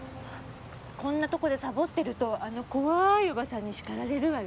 こんなとこでさぼってるとあの怖いおばさんにしかられるわよ。